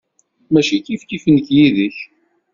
Mačči kifkif nekk yid-k.